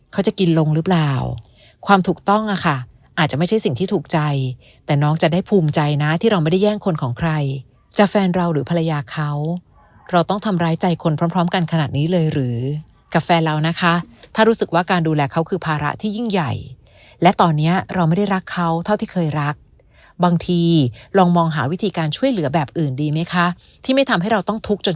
เขาจะกินลงหรือเปล่าความถูกต้องอะค่ะอาจจะไม่ใช่สิ่งที่ถูกใจแต่น้องจะได้ภูมิใจนะที่เราไม่ได้แย่งคนของใครจะแฟนเราหรือภรรยาเขาเราต้องทำร้ายใจคนพร้อมพร้อมกันขนาดนี้เลยหรือกับแฟนเรานะคะถ้ารู้สึกว่าการดูแลเขาคือภาระที่ยิ่งใหญ่และตอนนี้เราไม่ได้รักเขาเท่าที่เคยรักบางทีลองมองหาวิธีการช่วยเหลือแบบอื่นดีไหมคะที่ไม่ทำให้เราต้องทุกข์จน